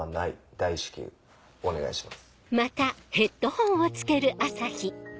大至急お願いします。